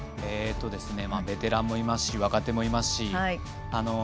ベテランもいますし若手もいますし。